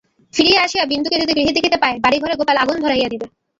ফিরিয়া আসিয়া বিন্দুকে যদি গৃহে দেখিতে পায় বাড়িঘরে গোপাল আগুন ধরাইয়া দিবে।